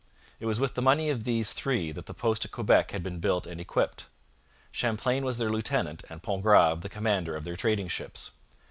It was with the money of these three that the post at Quebec had been built and equipped. Champlain was their lieutenant and Pontgrave the commander of their trading ships.